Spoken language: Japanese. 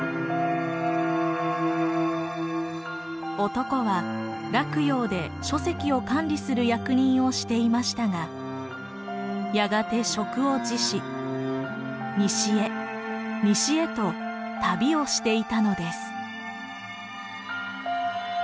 男は洛陽で書籍を管理する役人をしていましたがやがて職を辞し西へ西へと旅をしていたのです。